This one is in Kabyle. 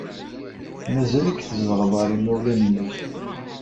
Mazal-ik tzedɣeḍ ɣer yimawlan-nnek.